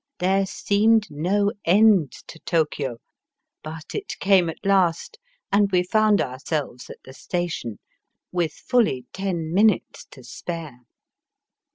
There seemed no end to Tokio, but it came at last, and we found ourselves at the station, with fully ten minutes to spare.